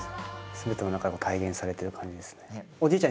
すべてを何か体現されてる感じですね。